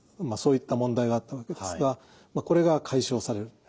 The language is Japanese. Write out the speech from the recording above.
そういった問題があったわけですがこれが解消される。